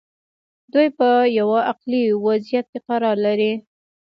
دوی په یوه عقلي وضعیت کې قرار لري.